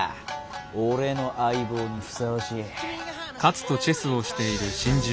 俺の相棒にふさわしい。